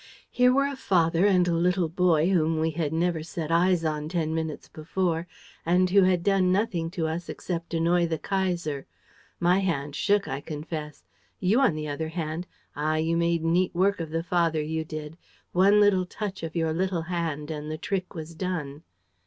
Here were a father and a little boy whom we had never set eyes on ten minutes before and who had done nothing to us except annoy the Kaiser. My hand shook, I confess. You, on the other hand: ah, you made neat work of the father, you did! One little touch of your little hand and the trick was done!"